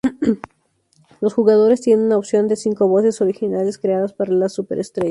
Los jugadores tienen una opción de cinco voces originales creadas para las superestrellas.